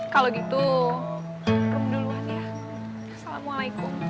kalau gitu kamu duluan ya assalamualaikum